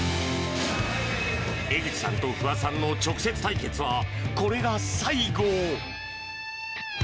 江口さんと不破さんの直接対決はこれが最後。